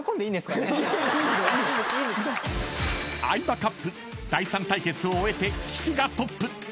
［相葉杯第３対決を終えて岸がトップ］